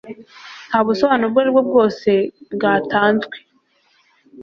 Nta busobanuro ubwo ari bwo bwose bwatanzwe.